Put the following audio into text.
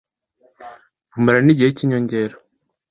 bumara n’igihe cy’inyongera